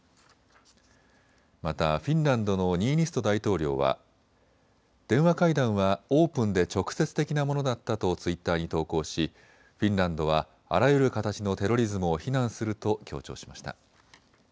またフィンランドのニーニスト大統領は電話会談はオープンで直接的なものだったとツイッターに投稿しフィンランドはあらゆる形のテロリズムを非難すると強調しました。